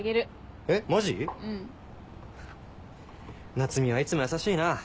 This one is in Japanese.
夏海はいつも優しいな。